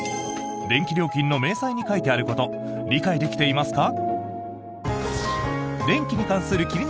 電気料金の明細に書いてあること理解できていますか？